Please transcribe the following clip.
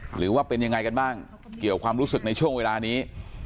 หรือว่าเป็นยังไงกันบ้างเกี่ยวความรู้สึกในช่วงเวลานี้